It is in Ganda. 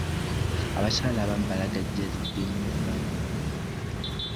Abakyala abamu balagajjalira nnyo abaana abawere.